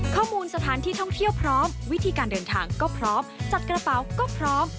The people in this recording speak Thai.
ข้อมูลสถานที่ท่องเที่ยวพร้อมวิธีการเดินทางก็พร้อมจัดกระเป๋าก็พร้อม